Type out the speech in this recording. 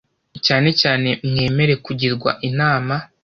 cyanecyane mwemere kugirwa inama.